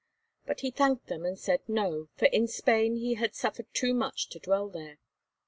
But he thanked them and said No, for in Spain he had suffered too much to dwell there.